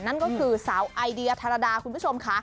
นั่นก็คือสาวไอเดียธารดาคุณผู้ชมค่ะ